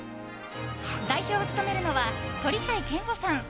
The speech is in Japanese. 代表を務めるのは鳥飼賢吾さん。